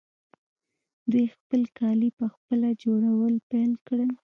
دوی خپل کالي پخپله جوړول پیل کړل.